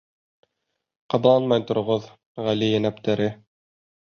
— Ҡабаланмай тороғоҙ, ғали йәнәптәре.